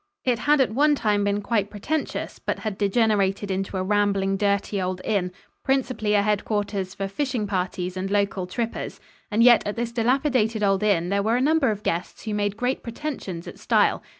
It had at one time been quite pretentious, but had degenerated into a rambling, dirty, old inn, principally a headquarters for fishing parties and local "trippers." And yet at this dilapidated old inn there were a number of guests who made great pretensions at style.